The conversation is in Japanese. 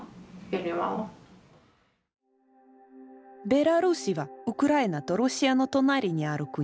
ベラルーシはウクライナとロシアの隣にある国。